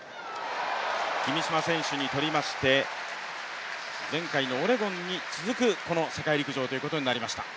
君嶋選手にとりまして、前回のオレゴンに続くこの世界陸上ということになりました。